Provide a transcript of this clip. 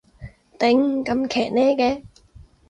頂，咁騎呢嘅